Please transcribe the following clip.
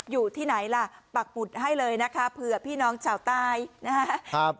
อยู่ที่ไหนล่ะปักหมุดให้เลยนะคะเผื่อพี่น้องชาวใต้นะครับ